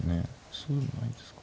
そうでもないんですか。